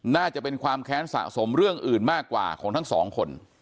น่าจะเป็นความแค้นสะสมเรื่องอื่นมากกว่าของทั้งสองคน